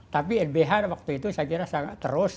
tapi lbh waktu itu saya kira sangat terus